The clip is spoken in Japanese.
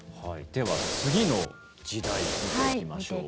では、次の時代見ていきましょう。